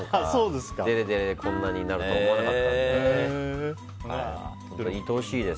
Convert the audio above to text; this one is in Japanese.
デレデレして、こんなになるとは思わなかったです。